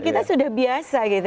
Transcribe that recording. kita sudah biasa gitu